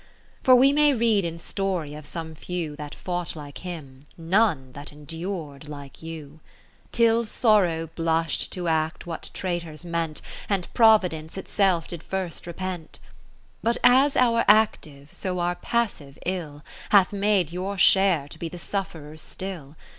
For we may read in story of some few That fought like him, none that endur'd like you : 20 Till Sorrow blush'd to act what Traitors meant. And Providence itself did first repent. But as our active, so our passive, ill Hath made your share to be the sufferer's still.